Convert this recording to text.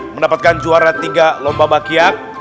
mendapatkan juara tiga lomba bakiak